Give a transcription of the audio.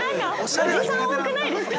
◆おじさん多くないですか。